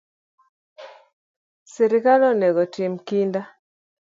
Sirkal onego otim kinda